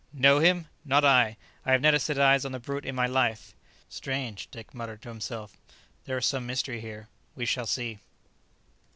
"Know him? Not I! I have never set eyes on the brute in my life." "Strange!" muttered Dick to himself; "there is some mystery here. We shall see."